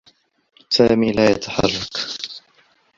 سامي لا يتحرّك.